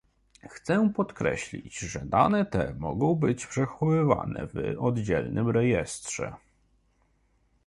Chcę podkreślić, że dane te mogą być przechowywane w oddzielnym rejestrze